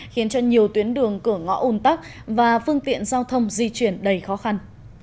khiến cho nhiều tuyến đường cửa ngõ ồn tắc và phương tiện giao thông di chuyển đầy khó khăn